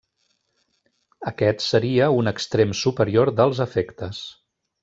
Aquest seria un extrem superior dels afectes.